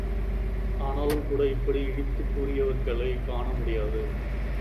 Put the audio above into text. ஆனாலும்கூட இப்படி இடித்துக் கூறியவர்களைக் காணமுடியாது.